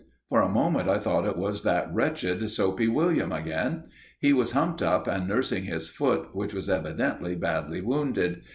For a moment I thought it was that wretched Soapy William again. He was humped up and nursing his foot which was evidently badly wounded.